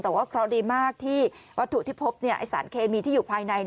แต่ว่าเคราะห์ดีมากที่วัตถุที่พบสารเคมีที่อยู่ภายใน